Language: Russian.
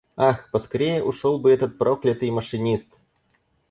Ах, поскорее ушел бы этот проклятый машинист!